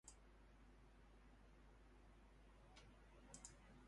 Throughout the years, "Hoard's" has covered many firsts in the dairy industry.